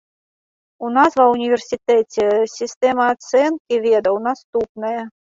У нас ва ўніверсітэце сістэма ацэнкі ведаў наступная.